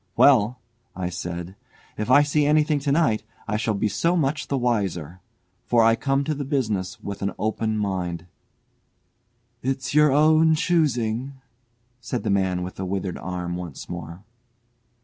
"Well," I said, "if I see anything to night, I shall be so much the wiser. For I come to the business with an open mind." "It's your own choosing," said the man with the withered arm once more.